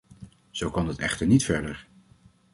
Zo kan het echter niet verder.